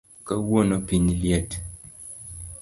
Kawuono piny liet